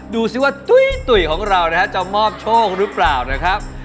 ดูสิว่าตุ๋ยของเรานะฮะจะมอบโชคหรือเปล่านะครับ